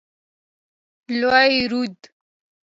لوی رود.